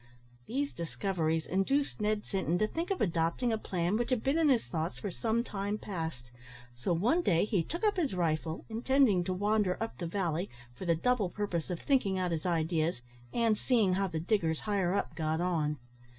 These discoveries induced Ned Sinton to think of adopting a plan which had been in his thoughts for some time past; so one day he took up his rifle, intending to wander up the valley, for the double purpose of thinking out his ideas, and seeing how the diggers higher up got on.